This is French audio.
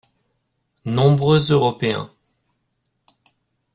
Nombreux Européens.